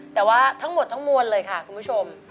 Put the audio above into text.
แต่ว่าทั้งหมดทั้งมวลเลยค่ะคุณผู้ชม